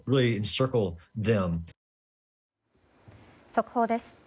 速報です。